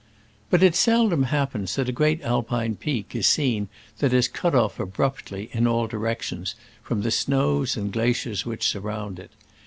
But it seldom happens that a great • Alpine peak is seen that is cut off ab ruptly, in all directions, from the snows and glaciers which surround it.